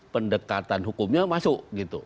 pendekatan hukumnya masuk